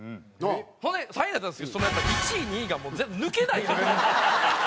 ほんで３位になったんですけどやっぱ１位２位が抜けない。